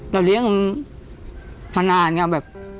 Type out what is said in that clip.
เราเลี้ยงมันมานานแบบ